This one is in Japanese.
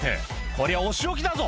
「こりゃお仕置きだぞ！」